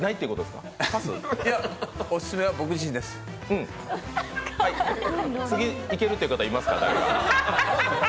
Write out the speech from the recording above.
うん次いけるっていう方いますか？